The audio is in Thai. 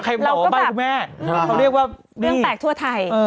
ใครบอกว่าใบ้คุณแม่เขาเรียกว่าเรื่องแปลกทั่วไทย